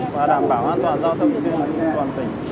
và đảm bảo an toàn giao thông trên toàn tỉnh